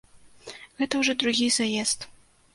Гэта ўжо другі заезд.